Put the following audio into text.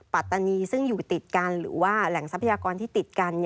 ปัตตานีซึ่งอยู่ติดกันหรือว่าแหล่งทรัพยากรที่ติดกัน